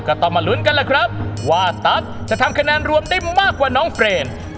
ก็ต้องมาลุ้นกันล่ะครับว่าตั๊กจะทำคะแนนรวมได้มากกว่าน้องเฟรน